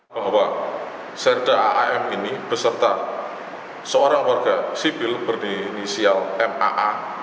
bahwa serda aam ini beserta seorang warga sipil berinisial maa